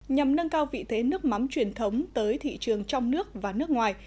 nhằm nâng cao vị thế nước mắm truyền thống tới thị trường trong nước và nước ngoài